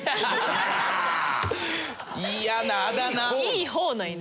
いい方の犬。